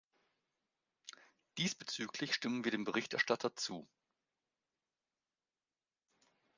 Diesbezüglich stimmen wir dem Berichterstatter zu.